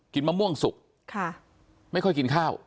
มะม่วงสุกไม่ค่อยกินข้าว